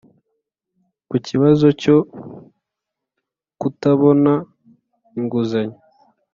Ku kibazo cyo kutabona inguzanyo